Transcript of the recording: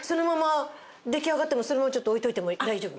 出来上がってもそのままちょっと置いておいても大丈夫？